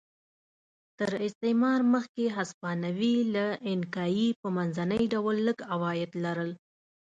تر استعمار مخکې هسپانوي له اینکایي په منځني ډول لږ عواید لرل.